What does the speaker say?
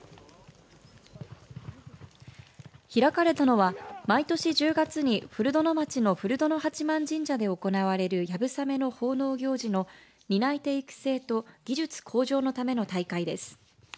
開かれたのは毎年１０月に古殿町の古殿八幡神社で行われるやぶさめの奉納行事の担い手育成と技術向上のための大会です。